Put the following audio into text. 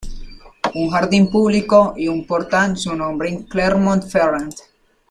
Un jardín público y un portan su nombre en Clermont-Ferrand.